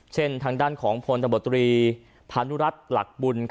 เช่นทางด้านของผลตบตรีพาณุรัตน์หลักบุญ